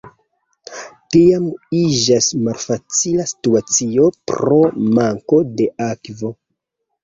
Tiam iĝas malfacila situacio pro manko de akvo.